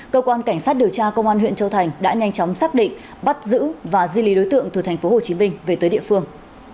cơ quan cảnh sát điều tra công an huyện châu thành đã nhanh chóng xác định bắt giữ và di lý đối tượng từ tp hcm về tới địa phương